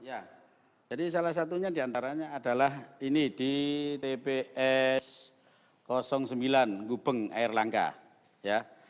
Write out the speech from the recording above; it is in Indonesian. ya jadi salah satunya diantaranya adalah ini di tps sembilan ngubeng air langkah